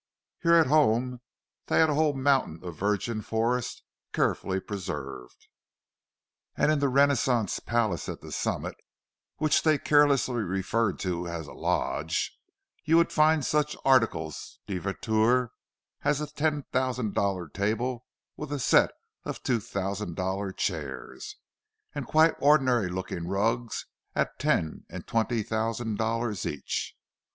Here at home they had a whole mountain of virgin forest, carefully preserved; and in the Renaissance palace at the summit—which they carelessly referred to as a "lodge"—you would find such articles de vertu as a ten thousand dollar table with a set of two thousand dollar chairs, and quite ordinary looking rugs at ten and twenty thousand dollars each.